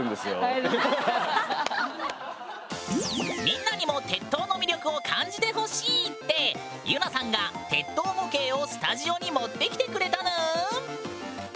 みんなにも鉄塔の魅力を感じてほしいってゆなさんが鉄塔模型をスタジオに持ってきてくれたぬん！